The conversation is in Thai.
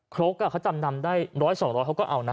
ครกเขาจำนำได้๑๐๐๒๐๐เขาก็เอานะ